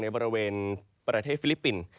บริเวณประเทศฟิลิปปินส์